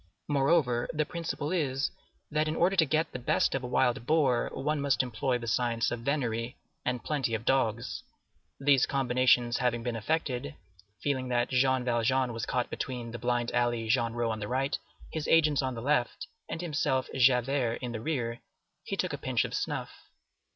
Moreover, the principle is, that in order to get the best of a wild boar, one must employ the science of venery and plenty of dogs. These combinations having been effected, feeling that Jean Valjean was caught between the blind alley Genrot on the right, his agent on the left, and himself, Javert, in the rear, he took a pinch of snuff.